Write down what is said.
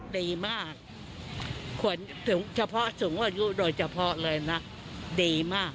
ดีมากควรถึงเฉพาะสูงอายุโดยเฉพาะเลยนะดีมาก